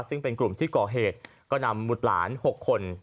ซึ่งเป็นกลุ่มที่ก่อเหตุก็นำบุตรหลาน๖คน